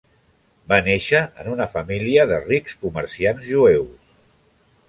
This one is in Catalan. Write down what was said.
Va néixer en una família de rics comerciants jueus.